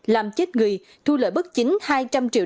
làm chết người thu lợi bất chính hai trăm linh triệu